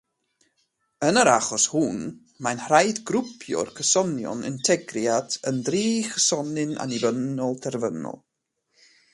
Yn yr achos hwn, mae'n rhaid grwpio'r cysonion integriad yn dri chysonyn annibynnol terfynol.